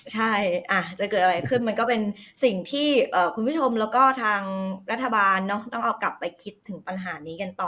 ใช่จะเกิดอะไรขึ้นมันก็เป็นสิ่งที่คุณผู้ชมแล้วก็ทางรัฐบาลต้องเอากลับไปคิดถึงปัญหานี้กันต่อ